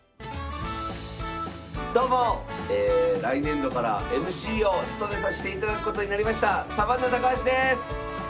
来年度からＭＣを務めさしていただくことになりましたサバンナ高橋です！